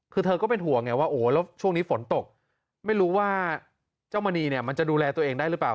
คือเธอก็เป็นห่วงไงว่าโอ้โหแล้วช่วงนี้ฝนตกไม่รู้ว่าเจ้ามณีเนี่ยมันจะดูแลตัวเองได้หรือเปล่า